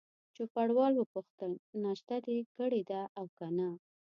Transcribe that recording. چوپړوال وپوښتل: ناشته دي کړې ده او که نه؟